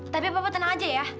tapi bapak tenang aja ya